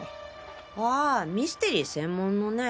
ああミステリー専門のね。